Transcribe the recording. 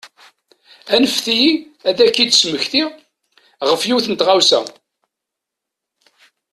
Anfet-iyi ad k-id-smektiɣ ɣef yiwet n tɣawsa.